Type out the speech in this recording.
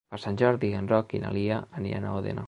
Per Sant Jordi en Roc i na Lia aniran a Òdena.